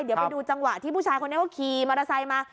เดี๋ยวไปดูจังหวะที่ผู้ชายคนนี้เขาขี่มอเตอร์ไซค์มา